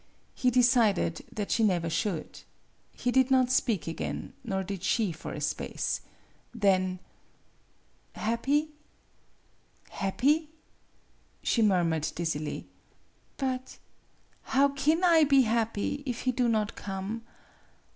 He decided that she never should. He did not speak again, nor did she for a space. Then :" Happy happy ?" she murmured dizzily. '''But how kin / be happy if he do not come